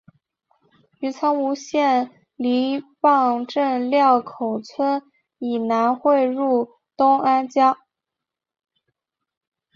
于苍梧县梨埠镇料口村以南汇入东安江。